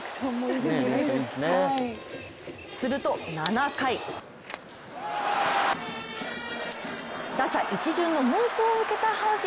すると７回打者一巡の猛攻を受けた阪神。